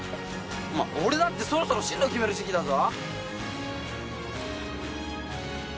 俺だってそろそろ進路決める時期だぞ。